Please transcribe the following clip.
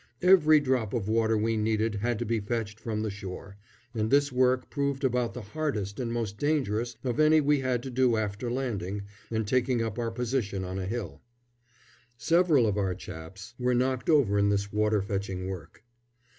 Every drop of water we needed had to be fetched from the shore, and this work proved about the hardest and most dangerous of any we had to do after landing and taking up our position on a hill. Several of our chaps were knocked over in this water fetching work.